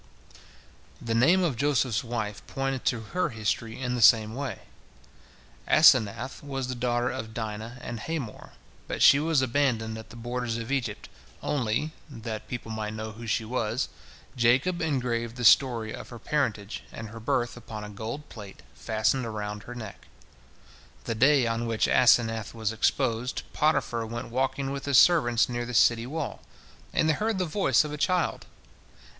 The name of Joseph's wife pointed to her history in the same way. Asenath was the daughter of Dinah and Hamor, but she was abandoned at the borders of Egypt, only, that people might know who she was, Jacob engraved the story of her parentage and her birth upon a gold plate fastened around her neck. The day on which Asenath was exposed, Potiphar went walking with his servants near the city wall, and they heard the voice of a child.